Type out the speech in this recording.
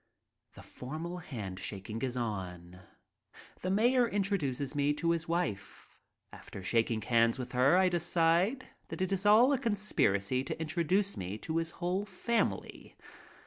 The formal handshaking is on. The mayor introduces his wife. After shaking hands with her I decide that it is all a conspiracy to introduce me to his whole family.